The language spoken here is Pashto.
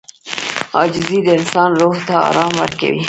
• عاجزي د انسان روح ته آرام ورکوي.